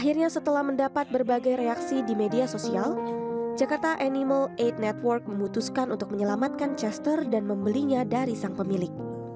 akhirnya setelah mendapat berbagai reaksi di media sosial jakarta animal aid network memutuskan untuk menyelamatkan chester dan membelinya dari sang pemilik